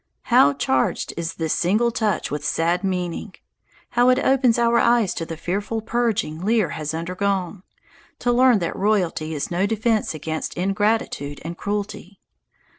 How charged is this single touch with sad meaning! How it opens our eyes to the fearful purging Lear has undergone, to learn that royalty is no defence against ingratitude and cruelty!